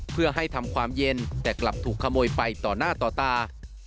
เพื่อให้ทำความเย็นแต่กลับถูกขโมยไปต่อหน้าต่อตา